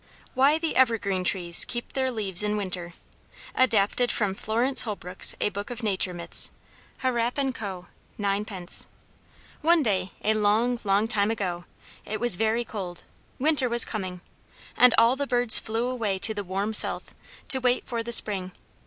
WHY THE EVERGREEN TREES KEEP THEIR LEAVES IN WINTER [Footnote 1: Adapted from Florence Holbrook's A Book of Nature Myths. (Harrap & Co. 9d.)] One day, a long, long time ago, it was very cold; winter was coming. And all the birds flew away to the warm south, to wait for the spring.